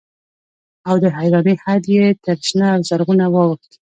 او د حيرانۍ حد يې تر شنه او زرغونه واوښت.